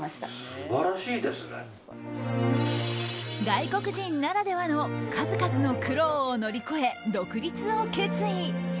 外国人ならではの数々の苦労を乗り越え独立を決意。